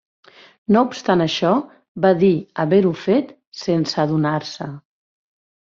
No obstant això, va dir haver-ho fet sense adonar-se.